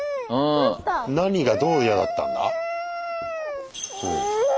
何がどう嫌だったんだ？